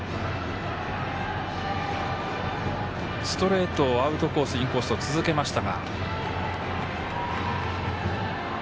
ストレートをアウトコースインコースと続けました。